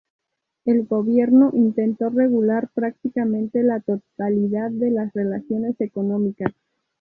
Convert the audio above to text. El gobierno intentó regular prácticamente la totalidad de las relaciones económicas.